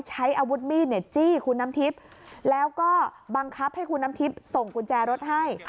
ใช้อาวุธมีดเนี่ยจี้คุณน้ำทิพย์แล้วก็บังคับให้คุณน้ำทิพย์ส่งกุญแจรถให้